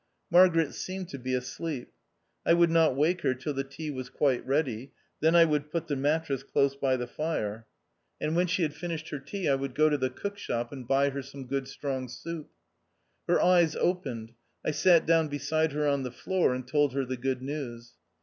Margaret seemed to be asleep. I would not wake her till the tea was quite ready ; then I would put the mattress close down by the fire ; o 2io THE OUTCAST. and when she had finished her tea, I would go to the cook shop and buy her some good strong soup. Her eyes opened ; I sat down beside her on the floor, and told her the good news.